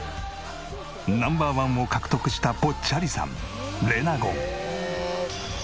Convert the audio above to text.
Ｎｏ．１を獲得したぽっちゃりさんレナゴン。